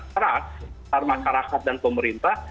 trust antara masyarakat dan pemerintah